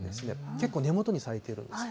結構根元に咲いているんです。